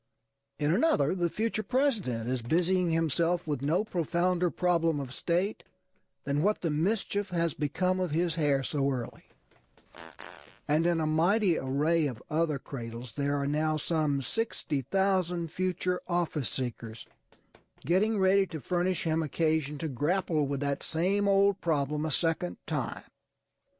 In another the future President is busying himself with no profounder problem of state than what the mischief has become of his hair so early; and in a mighty array of other cradles there are now some 60,000 future office seekers, getting ready to furnish him occasion to grapple with that same old problem a second time.